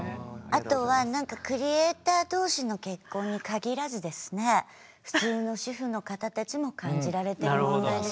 あとはクリエイター同士の結婚に限らずですね普通の主婦の方たちも感じられてる問題です。